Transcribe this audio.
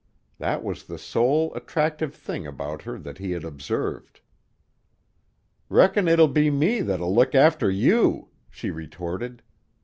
It was the sole attractive thing about her that he had observed. "Reckon it'll be me that'll look after you!" she retorted.